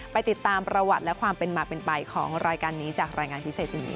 ไปติดตามเป็นไปของรายการนี้จากรายงานพิเศษจนนี้